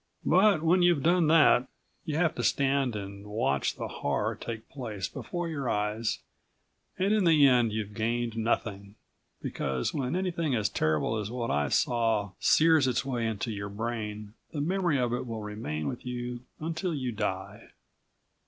But when you've done that, you have to stand and watch the horror take place before your eyes and in the end you've gained nothing ... because when anything as terrible as what I saw sears its way into your brain the memory of it will remain with you until you die.